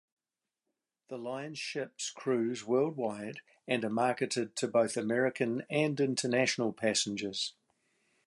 The line's ships cruise worldwide and are marketed to both American and international passengers.